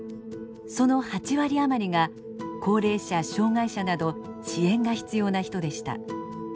その８割余りが高齢者・障害者など支援が必要な人でした。